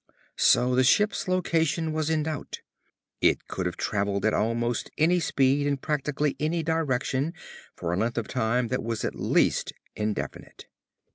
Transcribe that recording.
So the ship's location was in doubt. It could have travelled at almost any speed in practically any direction for a length of time that was at least indefinite.